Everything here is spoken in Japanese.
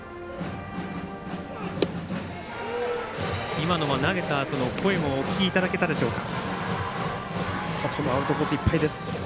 今の投げたあとの声もお聞きいただけたでしょうか。